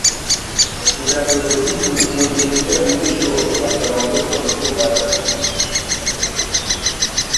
inavyozidi kuendelea mwisho ataondoka tu ata